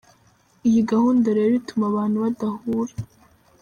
Iyi gahunda rero ituma abantu badahura.